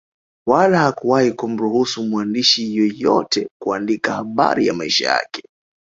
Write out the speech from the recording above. Wala hakuwahi kumruhusu mwandishi yeyote kuandika habari ya maisha yake